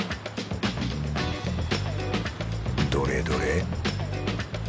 どれどれ？